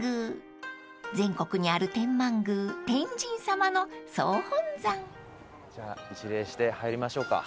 ［全国にある天満宮天神様の総本山］じゃあ一礼して入りましょうか。